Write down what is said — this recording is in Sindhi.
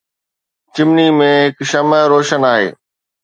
چمني ۾ هڪ شمع روشن آهي